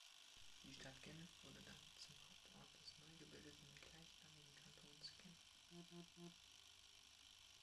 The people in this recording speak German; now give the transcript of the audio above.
Die Stadt Genf wurde damit zum Hauptort des neugebildeten gleichnamigen Kantons Genf.